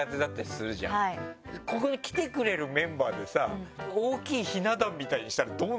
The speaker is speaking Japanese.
ここに来てくれるメンバーでさ大きいひな壇みたいにしたらどうなるのかな？